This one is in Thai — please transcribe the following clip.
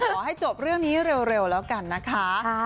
ขอให้จบเรื่องนี้เร็วแล้วกันนะคะ